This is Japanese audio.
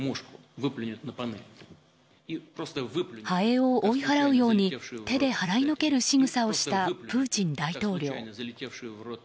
ハエを追い払うように手で払いのけるしぐさをしたプーチン大統領。